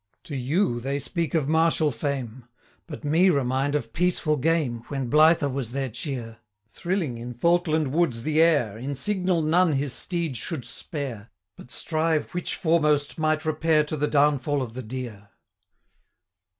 To you they speak of martial fame; But me remind of peaceful game, When blither was their cheer, Thrilling in Falkland woods the air, 655 In signal none his steed should spare, But strive which foremost might repair To the downfall of the deer.